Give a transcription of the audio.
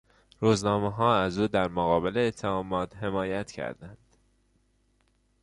روزنامهها از او در مقابل اتهامات، حمایت کردند.